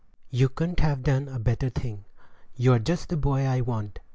"You couldn't have done a better thing; you're just the boy I want.